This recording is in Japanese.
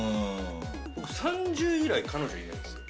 ◆僕、３０以来彼女いないんですよ。